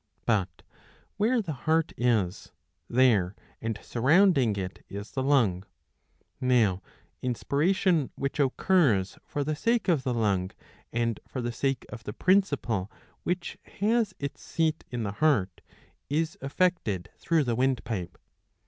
But where the heart is, there and surrounding it is the lung. Now inspiration, which occurs for the sake of the lung and for the sake of the principle which has its seat in the heart, is effected through the windpipe.